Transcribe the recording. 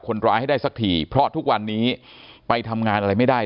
คนร้ายให้ได้สักทีเพราะทุกวันนี้ไปทำงานอะไรไม่ได้